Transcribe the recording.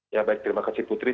ya baik terima kasih putri